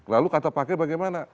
lalu kata pakai bagaimana